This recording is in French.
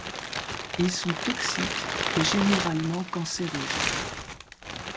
Ils sont toxiques et généralement cancérogènes.